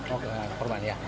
oh korban ya